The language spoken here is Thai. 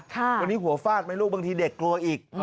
วันนี้หัวฟาดไหมลูกบางทีเด็กกลัวอีก